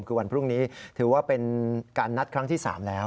คือวันพรุ่งนี้ถือว่าเป็นการนัดครั้งที่๓แล้ว